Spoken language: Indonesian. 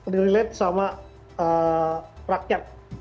dilead sama rakyat